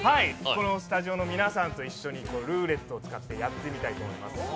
このスタジオの皆さんと一緒にこのルーレットを使ってやってみたいと思います。